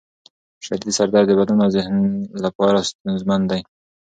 شدید سر درد د بدن او ذهن لپاره ستونزمن دی.